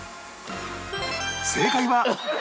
正解は